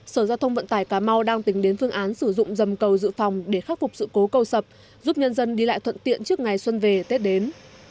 sở giao thông vận tải cà mau đang tính đến phương án sử dụng dầm cầu dự phòng để khắc phục sự cố cầu sập giúp nhân dân đi lại thuận tiện trước ngày xuân về tết đến